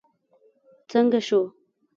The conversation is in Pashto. څنګه شو.